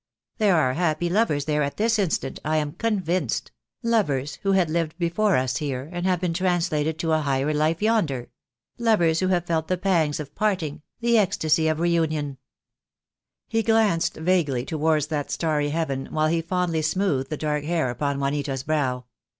There are happy lovers there at this instant, I am convinced — lovers who had lived before us here, and have been translated to a higher life yonder; lovers who have felt the pangs of parting, the ecstacy of reunion." THE DAY WILL COME. 3 I He glanced vaguely towards that starry heaven, while he fondly smoothed the dark hair upon Juanita's brow.